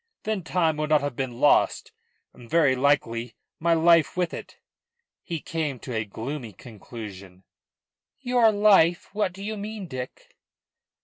Then time would not have been lost, and very likely my life with it." He came to a gloomy conclusion. "Your life? What do you mean, Dick?"